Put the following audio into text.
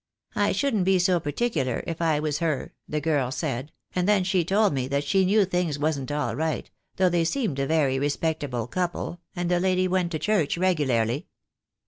'I shouldn't be so particular, if I was her,' the girl said, and then she told me that she knew things wasn't all right, though they seemed a very respectable couple, and the lady went to church regularly."